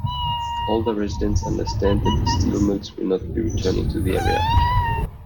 Older residents understand that the steel mills will not be returning to the area.